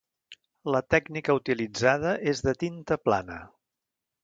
La tècnica utilitzada és de tinta plana.